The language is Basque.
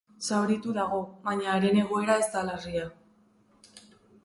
Zauritu dago, baina haren egoera ez da larria.